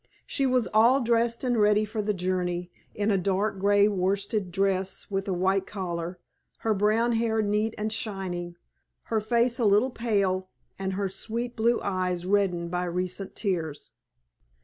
She was all dressed and ready for the journey, in a dark grey worsted dress with a white collar, her brown hair neat and shining, her face a little pale, and her sweet blue eyes reddened by recent tears.